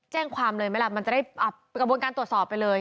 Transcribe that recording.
แจ้งความเลยไหมล่ะมันจะได้กระบวนการตรวจสอบไปเลย